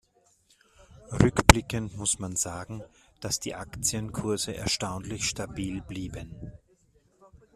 Rückblickend muss man sagen, dass die Aktienkurse erstaunlich stabil blieben.